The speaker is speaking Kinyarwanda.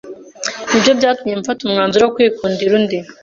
nibyo byatumye mfata umwanzuro wo kwikundira undi